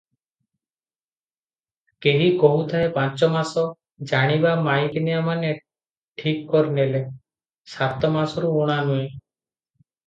କେହି କହୁଥାଏ ପାଞ୍ଚ ମାସ, ଜାଣିବା ମାଇକିନିଆମାନେ ଠିକ କରିନେଲେ, ସାତ ମାସରୁ ଊଣା ନୁହେ ।